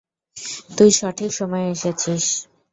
তুই সঠিক সময়ে এসেছিস।